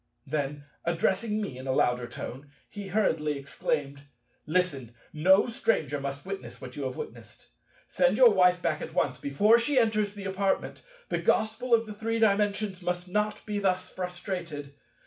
Then, addressing me in a louder tone, he hurriedly exclaimed, "Listen: no stranger must witness what you have witnessed. Send your Wife back at once, before she enters the apartment. The Gospel of Three Dimensions must not be thus frustrated.